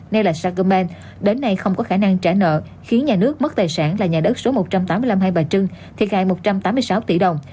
nay là sakomen đến nay không có khả năng trả nợ khiến nhà nước mất tài sản là nhà đất số một trăm tám mươi năm hai bà trưng thiệt hại một trăm tám mươi sáu tỷ đồng